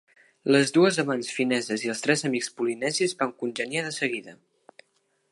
Les dues amants fineses i els tres amics polinesis van congeniar de seguida.